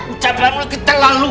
ucapkanlah kita lalu